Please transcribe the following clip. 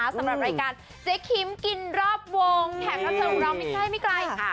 สำหรับรายการเจ๊คิมกินรอบวงแขกรับเทิงของเราไม่ใกล้ไม่ไกล